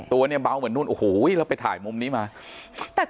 ตัวเนี่ยเบาเหมือนนู่นโอ้โหแล้วไปถ่ายมุมนี้มาแต่